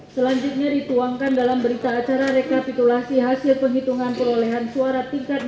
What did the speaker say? selanjutnya dituangkan dalam berita acara rekapitulasi hasil penghitungan perolehan suara tingkat